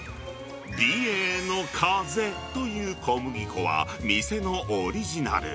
美瑛の風という小麦粉は、店のオリジナル。